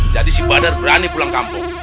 jadi si badar berani pulang kampung